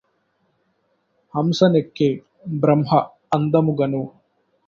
హంసనెక్కె Brahma అందముగను